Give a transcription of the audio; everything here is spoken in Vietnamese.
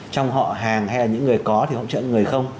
trong họ hàng hay là những người có thì hỗ trợ những người không